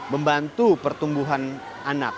membantu pertumbuhan anak